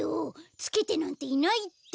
つけてなんていないって！